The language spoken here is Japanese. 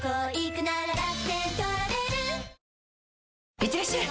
いってらっしゃい！